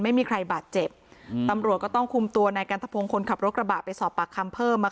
ไม่มีใครบาดเจ็บอืมตำรวจก็ต้องคุมตัวนายกันทะพงศ์คนขับรถกระบะไปสอบปากคำเพิ่ม